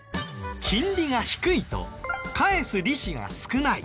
金利が低いと返す利子が少ない。